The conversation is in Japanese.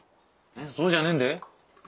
そうじゃねえんで？